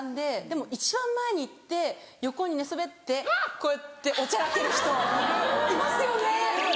でも一番前に行って横に寝そべってこうやっておちゃらける人いますよね。